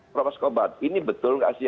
prof kobat ini betul nggak sih